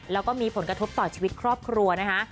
แล้วก็มีผลกระทบต่อชีวิตครอบครัวนะคะ